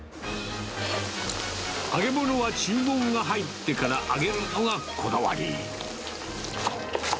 揚げ物は注文が入ってから揚げるのがこだわり。